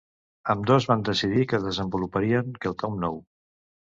Ambdós van decidir que desenvoluparien quelcom nou.